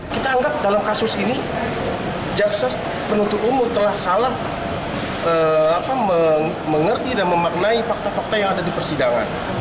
kita anggap dalam kasus ini jaksa penuntut umum telah salah mengerti dan memaknai fakta fakta yang ada di persidangan